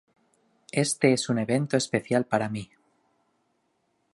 Este es un evento especial para mí.